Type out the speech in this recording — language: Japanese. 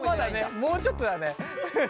もうちょっとだね。